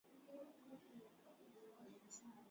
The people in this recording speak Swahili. Kunywa chochote isipokuwa Perrier.